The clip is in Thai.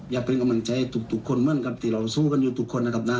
อยากเป็นกำลังใจทุกคนเหมือนกับที่เราสู้กันอยู่ทุกคนนะครับนะ